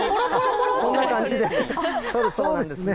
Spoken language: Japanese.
こんな感じで取るそうなんですね。